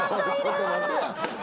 ちょっと待てやおい。